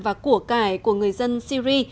và của cải của người dân syri